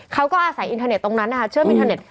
เขาก็อาศัยอินเทอร์เน็ตตรงนั้นนะคะเชื่อมอินเทอร์เน็ต